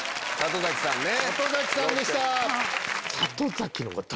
里崎さんでした。